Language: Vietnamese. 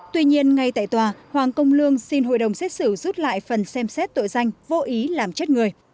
tuy nhiên ngay tại tòa hoàng công lương xin hội đồng xét xử rút lại phần xem xét tội danh vô ý làm chết người